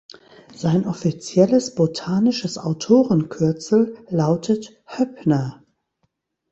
Sein offizielles botanisches Autorenkürzel lautet „Höppner“.